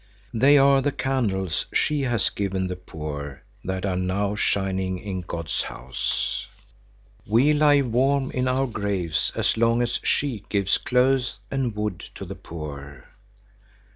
"They are the candles she has given the poor that are now shining in God's house." "We lie warm in our graves as long as she gives clothes and wood to the poor."